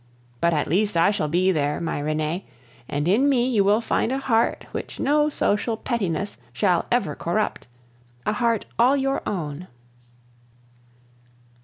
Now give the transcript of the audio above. But at least I shall be there, my Renee, and in me you will find a heart which no social pettiness shall ever corrupt, a heart all your own.